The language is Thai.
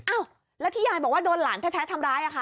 อ้าวแล้วที่ยายบอกว่าโดนหลานแท้ทำร้ายอ่ะคะ